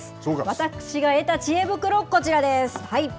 私が得たちえ袋、こちらです。